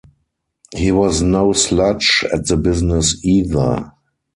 He was no slouch at the business either.